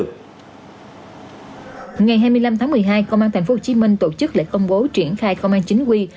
ngày hai mươi năm tháng một mươi hai công an thành phố hồ chí minh tổ chức lễ công bố triển khai công an chính quy